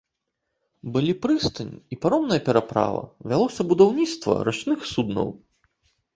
Былі прыстань і паромная пераправа, вялося будаўніцтва рачных суднаў.